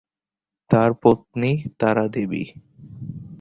তার পত্নী তারা দেবী।